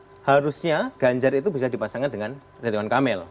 kalau kita lihat dari prosesnya kita bisa lihat bahwa kita bisa dipasangkan dengan ridwan kamil